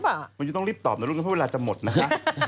มันจะต้องรีบตอบหน่วยรูปให้เวลาจะหมดนะคะ